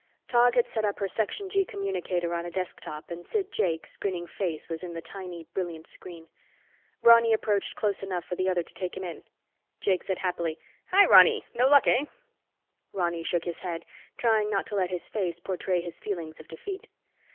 Tog had set up her Section G communicator on a desk top and Sid Jakes' grinning face was in the tiny, brilliant screen. Ronny approached close enough for the other to take him in. Jakes said happily, "Hi, Ronny, no luck, eh?" Ronny shook his head, trying not to let his face portray his feelings of defeat.